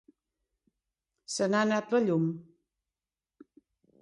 Se n'ha anat la llum.